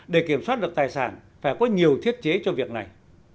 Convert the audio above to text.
để kiểm soát được tài sản phải có nhiều thiết chế cho việc này